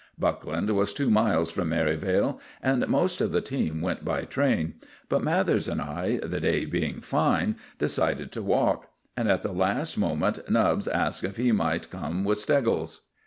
Buckland was two miles from Merivale, and most of the team went by train; but Mathers and I, the day being fine, decided to walk; and at the last moment Nubbs asked if he might come with Steggles.